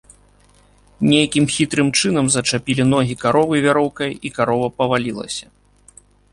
Нейкім хітрым чынам зачапілі ногі каровы вяроўкай і карова павалілася.